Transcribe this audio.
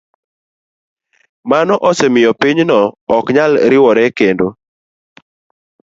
Mano osemiyo pinyno ok nyal riwore kendo.